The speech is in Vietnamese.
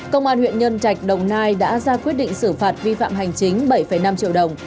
công an huyện nhân trạch đồng nai đã ra quyết định xử phạt vi phạm hành chính bảy năm triệu đồng